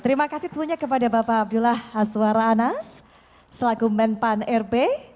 terima kasih tentunya kepada bapak abdullah haswaranas selagu men pan rb